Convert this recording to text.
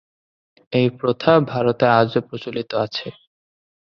এই প্রথা ভারতে আজও প্রচলিত আছে।